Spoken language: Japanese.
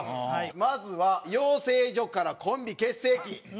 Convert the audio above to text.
まずは養成所からコンビ結成期。